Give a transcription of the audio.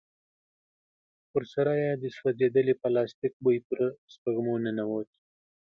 ورسره يې د سوځېدلي پلاستيک بوی پر سپږمو ننوت.